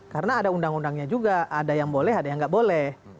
karena ada undang undangnya juga ada yang boleh ada yang nggak boleh